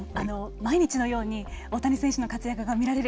毎日のように大谷選手の活躍が見られる。